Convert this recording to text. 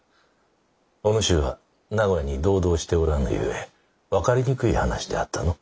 お主は名古屋に同道しておらぬゆえ分かりにくい話であったの。